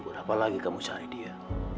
buat apa lagi kamu cari dia